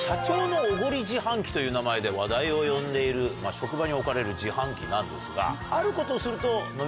という名前で話題を呼んでいる職場に置かれる自販機なんですが。